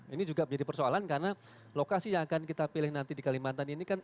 ini juga menjadi persoalan karena lokasi yang akan kita pilih nanti di kalimantan ini kan